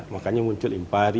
makanya muncul impari